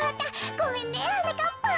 ごめんねはなかっぱん。